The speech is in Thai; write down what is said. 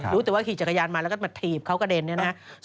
รู้แต่ว่าขี่จักรยานมาแล้วก็มาถีบเขากระเด็นเนี่ยนะครับ